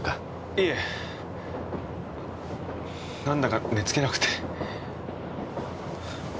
いえなんだか寝つけなくて。